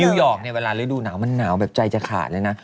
นิวยอร์กเวลาระดูหนาวมันหนาวแบบใจจะขาดเลยนะ